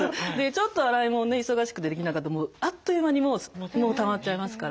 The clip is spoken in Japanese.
ちょっと洗い物ね忙しくてできなかったらもうあっという間にもうたまっちゃいますから。